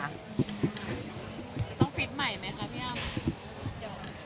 ต้องฟีฟ์ใหม่ไหมคะพี่อำ